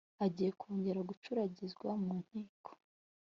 agiye kongera gucuragizwa mu nkiko